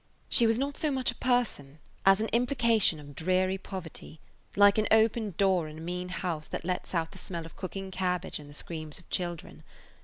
She was not so much a person as an implication of dreary poverty, like an open door in a mean house that lets out the smell of cooking cabbage and the screams of children.